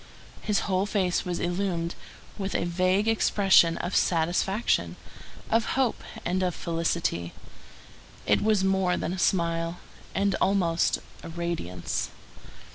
His whole face was illumined with a vague expression of satisfaction, of hope, and of felicity. It was more than a smile, and almost a radiance.